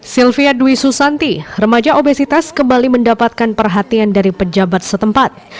sylvia dwi susanti remaja obesitas kembali mendapatkan perhatian dari pejabat setempat